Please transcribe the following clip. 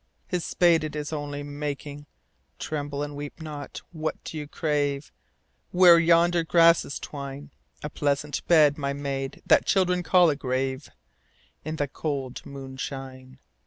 His spade, it Is only making, — (Tremble and weep not I What do you crave ?) Where yonder grasses twine, A pleasant bed, my maid, that Children call a grave, In the cold moonshine.